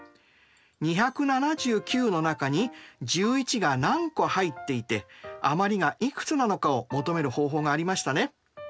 ２７９の中に１１が何個入っていて余りがいくつなのかを求める方法がありましたね。